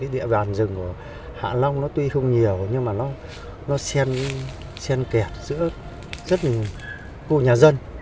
địa bàn rừng của hạ long tuy không nhiều nhưng nó xen kẹt giữa rất nhiều khu nhà dân